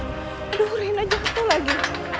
aduh rena jatuh lagi